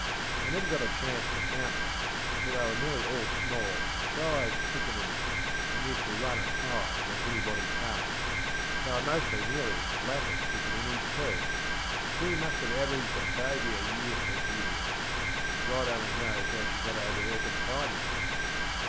I never got a chance to count them, for they were nearly all small, and shy as piccaninnies, and used to run and hide when anybody came. They were mostly nearly as black as piccaninnies too. She must have averaged a baby a year for yearsŌĆö and God only knows how she got over her confinements!